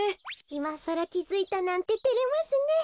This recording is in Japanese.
いまさらきづいたなんててれますね。